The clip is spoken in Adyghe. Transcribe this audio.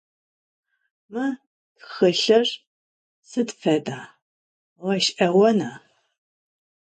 Mı txılhır sıd feda, ğeş'eğona?